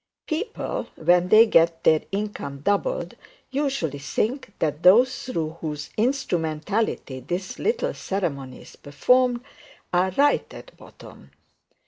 People when they get their income doubled usually think that those through whose instrumentality this little ceremony is performed are right at bottom.